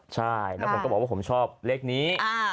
ใช่แล้วผมก็บอกว่าผมชอบเลขนี้